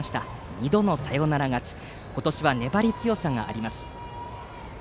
２度のサヨナラ勝ち今年は粘り強さがあります。